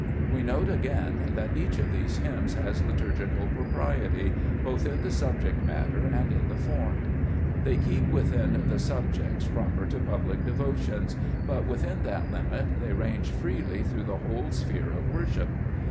We note again that each of these hymns has liturgical propriety, both in the subject matter and in the form. They keep within the subjects proper to public devotions, but within that limit they range freely through the whole sphere of worship.